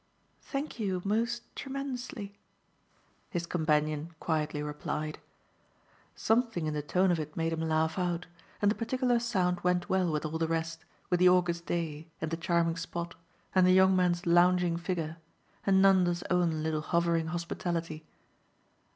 "Thank you most tremendously," his companion quietly replied. Something in the tone of it made him laugh out, and the particular sound went well with all the rest, with the August day and the charming spot and the young man's lounging figure and Nanda's own little hovering hospitality.